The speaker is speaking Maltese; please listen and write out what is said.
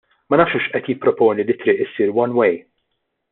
Ma nafx hux qed jipproponi li t-triq issir one way.